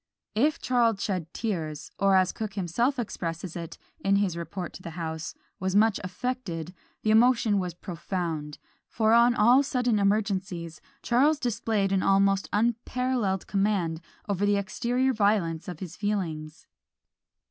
If Charles shed tears, or as Cooke himself expresses it, in his report to the House, "was much affected," the emotion was profound: for on all sudden emergencies Charles displayed an almost unparalleled command over the exterior violence of his feelings.